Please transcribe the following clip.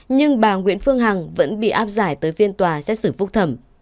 nhưng bà nguyễn phương hằng vẫn bị áp giải tới phiên tòa xét xử phúc thẩm